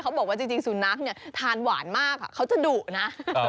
บอกว่าจริงสุนัขเนี่ยทานหวานมากเขาจะดุนะ